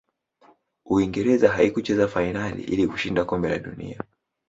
uingereza haikucheza fainali ili kushinda kombe la dunia